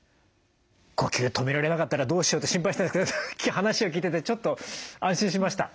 呼吸止められなかったらどうしようって心配してたんですけどさっき話を聞いててちょっと安心しました。